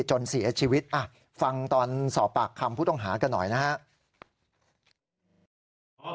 จนเสียชีวิตฟังตอนสอบปากคำผู้ต้องหากันหน่อยนะครับ